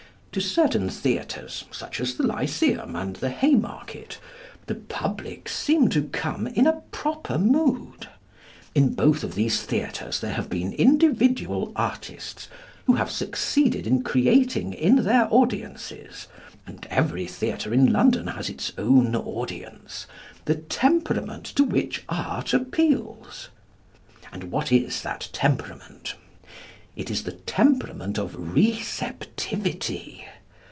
To certain theatres, such as the Lyceum and the Haymarket, the public seem to come in a proper mood. In both of these theatres there have been individual artists, who have succeeded in creating in their audiences—and every theatre in London has its own audience—the temperament to which Art appeals. And what is that temperament? It is the temperament of receptivity.